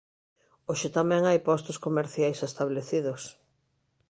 Hoxe tamén hai postos comerciais establecidos.